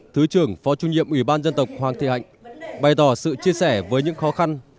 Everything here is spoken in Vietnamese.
thứ trưởng phó trung nhiệm ủy ban dân tộc hoàng thị hạnh bày tỏ sự chia sẻ với những khó khăn